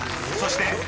そして］